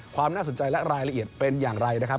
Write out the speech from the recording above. ความน่าสนใจและรายละเอียดเป็นอย่างไรนะครับ